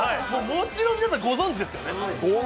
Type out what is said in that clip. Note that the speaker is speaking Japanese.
もちろん皆さん、ご存じですよね。